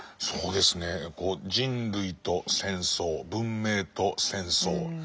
そうですね人類と戦争文明と戦争。